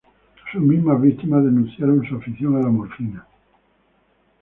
Sus mismas víctimas denunciaron su afición a la morfina.